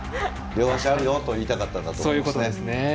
両足あるよと言いたかったんだと思います。